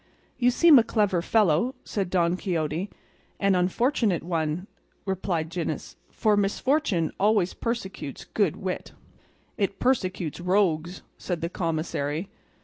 "You seem a clever fellow," said Don Quixote. "And an unfortunate one," replied Gines, "for misfortune always persecutes good wit." "It persecutes rogues," said the commissary.